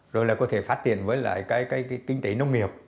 rồi là có thể phát triển với lại cái kinh tế nông nghiệp